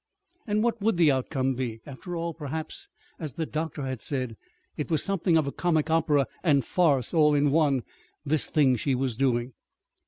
And what would the outcome be? After all, perhaps, as the doctor had said, it was something of a comic opera and farce all in one this thing she was doing.